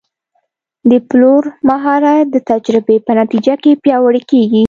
د پلور مهارت د تجربې په نتیجه کې پیاوړی کېږي.